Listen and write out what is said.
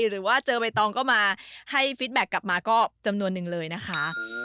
หรือว่าเจอใบตองก็มาให้ฟิตแบ็คกลับมาก็จำนวนนึงเลยนะคะ